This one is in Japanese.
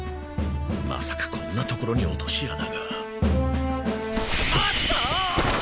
まさかこんな所に落とし穴が？あった！？